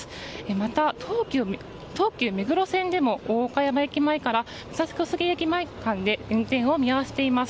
また、東急目黒線でも大岡山駅から武蔵小杉駅間で運転を見合わせています。